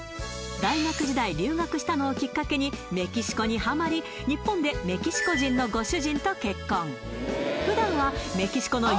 大学時代留学したのをきっかけにメキシコにハマり日本でメキシコ人のご主人と結婚ふだんはメキシコのＵＦＯ